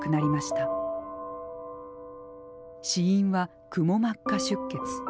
死因はくも膜下出血。